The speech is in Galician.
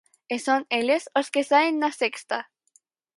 E son eles os que saen na Sexta.